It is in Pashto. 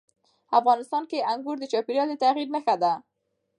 افغانستان کې انګور د چاپېریال د تغیر نښه ده.